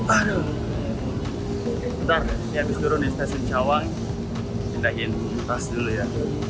aduh ntar ini habis turun di stasiun cawang pindahin tas dulu ya